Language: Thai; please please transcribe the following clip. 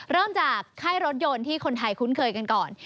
เริ่มจากค่ายรถยนต์ที่คนไทยคุ้นเคยกันก่อน